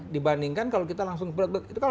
dibandingkan kalau kita langsung berut berut